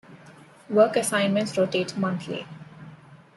Work assignments rotate monthly.